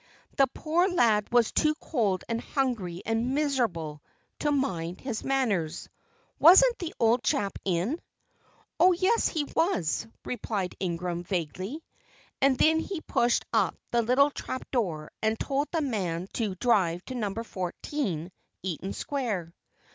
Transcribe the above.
The poor lad was too cold and hungry and miserable to mind his manners. "Wasn't the old chap in?" "Oh, yes, he was in," replied Ingram, vaguely. And then he pushed up the little trap door and told the man to drive to Number Fourteen, Eaton Square.